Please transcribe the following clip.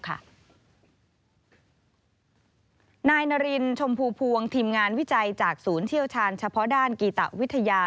นายนารินชมพูพวงทีมงานวิจัยจากศูนย์เชี่ยวชาญเฉพาะด้านกีตะวิทยา